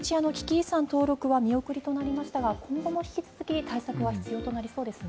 遺産登録は見送りとなりましたが今後も引き続き対策は必要となりそうですね。